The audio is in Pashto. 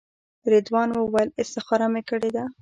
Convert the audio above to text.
رضوان وویل استخاره مې کړې ده.